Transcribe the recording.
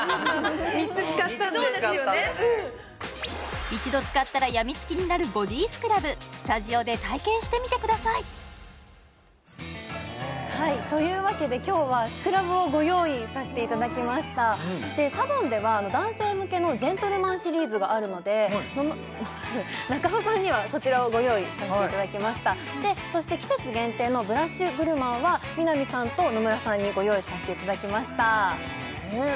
３つ使ったんでそうですよね一度使ったらやみつきになるボディスクラブスタジオで体験してみてくださいというわけで今日はスクラブをご用意させていただきましたＳＡＢＯＮでは男性向けのジェントルマンシリーズがあるので中尾さんにはそちらをご用意させていただきましたそして季節限定のブラッシュ・グルマンは南さんと野村さんにご用意させていただきましたえ